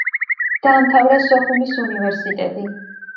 დაამთავრა სოხუმის უნივერსიტეტი.